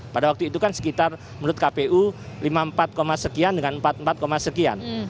pada waktu itu kan sekitar menurut kpu lima puluh empat sekian dengan empat puluh empat sekian